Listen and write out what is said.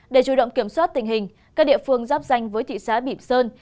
để chủ động kiểm soát tình hình các địa phương giáp danh với thị xã bỉm sơn